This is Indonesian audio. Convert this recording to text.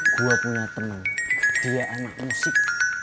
gue punya teman dia anak musik